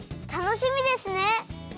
たのしみですね！